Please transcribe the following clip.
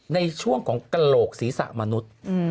ในช่วงของกระโหลกศีรษะมนุษย์